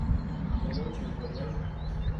Comment était le voyage ?